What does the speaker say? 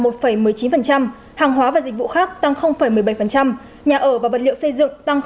dịch vụ khác tăng một mươi bảy nhà ở và vật liệu xây dựng tăng một mươi bốn